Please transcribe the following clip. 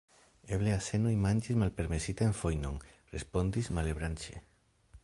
Eble azenoj manĝis malpermesitan fojnon, respondis Malebranche.